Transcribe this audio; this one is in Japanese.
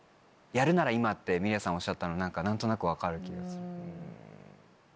今ね。ってミリヤさんおっしゃったの何となく分かる気がする。